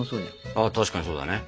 確かにそうだね。